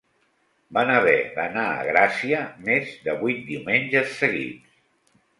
Van haver d'anar a Gracia més de vuit diumenges seguits